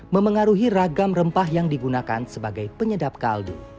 memengaruhi ragam rempah yang digunakan sebagai penyedap kaldu